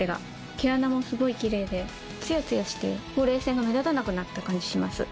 毛穴もすごいキレイでツヤツヤしてほうれい線が目立たなくなった感じします。